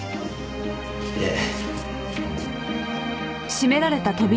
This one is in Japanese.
ええ。